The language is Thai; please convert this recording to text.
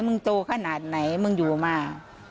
มึงโตขนาดไหนมึงอยู่มา